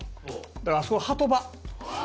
だからあそこはハト場。